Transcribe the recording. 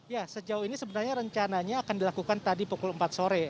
ya sejauh ini sebenarnya rencananya akan dilakukan tadi pukul empat sore